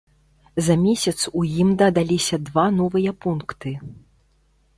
За месяц у ім дадаліся два новыя пункты.